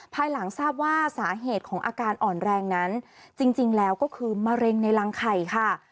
ภายหลังทราบว่าสาเหตุของอาการอ่อนแรงนั้นจริงแล้วก็คือมะเร็งในรังไข่ค่ะ